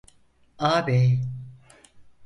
Ağabey!